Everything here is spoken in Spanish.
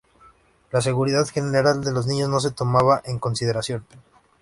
La seguridad general de los niños no se tomaba en consideración.